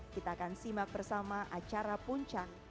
kita akan simak bersama acara puncak